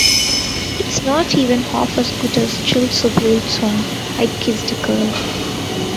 It's not even half as good as Jill Sobule's song 'I Kissed a Girl'.